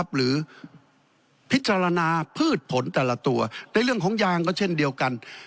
หรือพิจารณาพืชผลแต่ละตัวในเรื่องของยางก็เช่นเดียวกัน